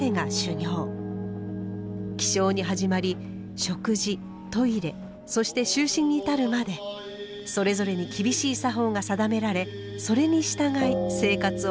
起床に始まり食事トイレそして就寝に至るまでそれぞれに厳しい作法が定められそれに従い生活を送ります。